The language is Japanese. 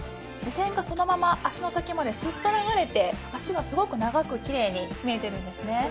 目線がそのまま脚の先までスッと流れて脚がすごく長くきれいに見えてるんですね。